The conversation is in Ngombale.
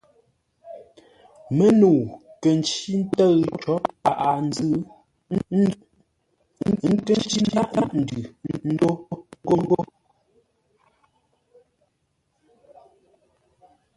Mə́nəu kə̂ ncí ntə́ʉ có paghʼə-nzʉ̂ ńzúʼ, ə́ nkə́ ncí ńdághʼ ndʉ ntó ngô.